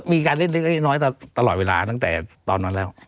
มีการเล่นเล็กน้อยตลอดเวลาตั้งแต่ตอนนั้นแล้ว